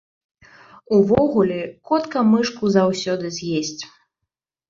Увогуле, котка мышку заўсёды з'есць.